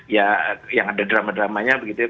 ya yang ada drama dramanya begitu ya